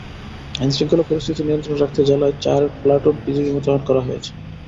আইনশৃঙ্খলা পরিস্থিতি নিয়ন্ত্রণে রাখতে জেলায় চার প্লাটুন বিজিবি মোতায়েন করা হয়েছে।